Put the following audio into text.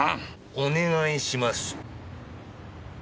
お願いします。